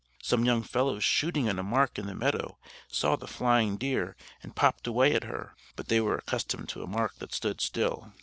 Some young fellows shooting at a mark in the meadow saw the flying deer, and popped away at her: but they were accustomed to a mark that stood still.